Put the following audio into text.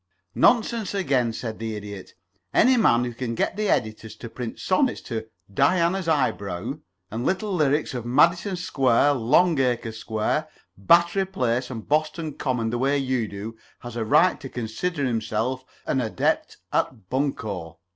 "Nonsense, again," said the Idiot. "Any man who can get the editors to print sonnets to 'Diana's Eyebrow,' and little lyrics of Madison Square, Longacre Square, Battery Place, and Boston Common, the way you do, has a right to consider himself an adept at bunco.